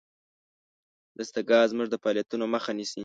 دستګاه زما د فعالیتونو مخه نیسي.